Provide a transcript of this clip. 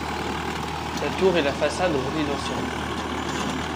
La tour et la façade relient l'ensemble.